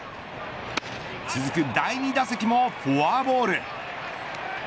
続く第２打席もフォアボール。